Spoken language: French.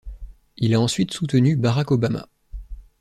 Il a ensuite soutenu Barack Obama.